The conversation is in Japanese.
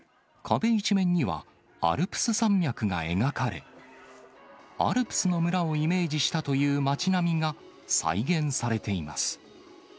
壁一面には、アルプス山脈が描かれ、アルプスの村をイメージしたという町並みが再現されています。